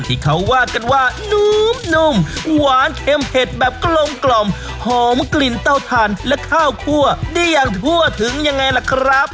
ที่เขาว่ากันว่านุ่มหวานเค็มเผ็ดแบบกลมกล่อมหอมกลิ่นเต้าทานและข้าวคั่วได้อย่างทั่วถึงยังไงล่ะครับ